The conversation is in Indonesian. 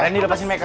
rendy lepasin meka